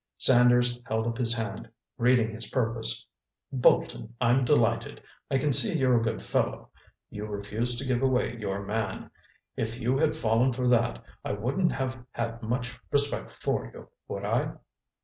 Sanders held up his hand, reading his purpose. "Bolton, I'm delighted. I can see you're a good fellow. You refuse to give away your man. If you had fallen for that, I wouldn't have had much respect for you, would I?"